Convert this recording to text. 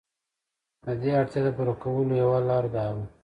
د دې اړتیا د پوره کولو یوه لار دا وه.